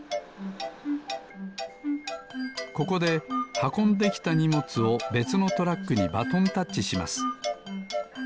ここではこんできたにもつをべつのトラックにバトンタッチします。